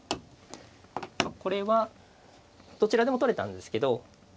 これはどちらでも取れたんですけど。